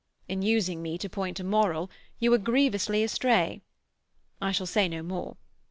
In using me to point a moral you were grievously astray. I shall say no more.